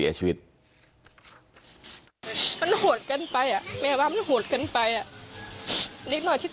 อายุ๑๐ปีนะฮะเขาบอกว่าเขาก็เห็นถูกยิงนะครับ